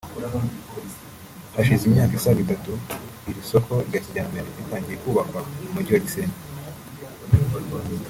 Hashize imyaka isaga itatu iri soko rya kijyambere ritangiye kubakwa Mujyi wa Gisenyi